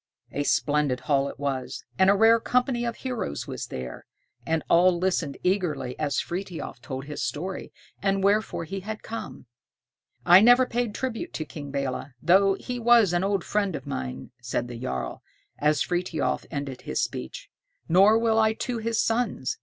A splendid hall it was, and a rare company of heroes was there; and all listened eagerly as Frithiof told his story, and wherefore he had come. "I never paid tribute to King Belé, though he was an old friend of mine," said the jarl, as Frithiof ended his speech, "nor will I to his sons.